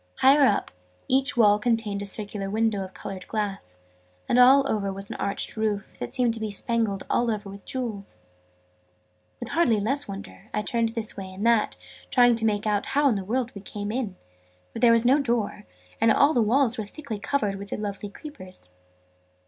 Higher up, each wall contained a circular window of coloured glass; and over all was an arched roof, that seemed to be spangled all over with jewels. With hardly less wonder, I turned this way and that, trying to make out how in the world we had come in: for there was no door: and all the walls were thickly covered with the lovely creepers.